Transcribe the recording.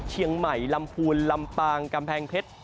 เชียงใหม่ลำพูนลำปางกำแพงเพชร